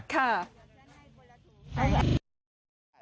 ค่ะ